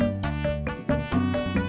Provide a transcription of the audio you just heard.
tidak ada yang bisa dihukum